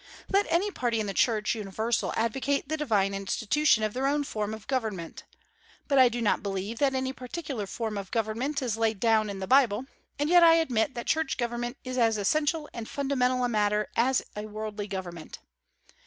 Let any party in the Church universal advocate the divine institution of their own form of government. But I do not believe that any particular form of government is laid down in the Bible; and yet I admit that church government is as essential and fundamental a matter as a worldly government.